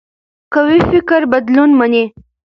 قوي فکر بدلون مني